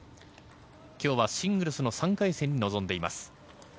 今日はシングルスの３回戦に臨んでいます。